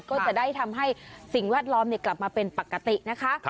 ก็จะได้ทำให้สิ่งแวดล้อมกลับมาเป็นปกตินะคะ